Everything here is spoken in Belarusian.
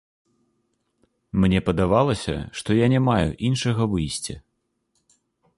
Мне падавалася, што я не маю іншага выйсця.